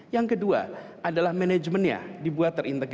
yang kedua adalah manajemennya